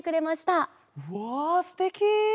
わすてき！